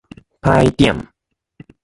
難點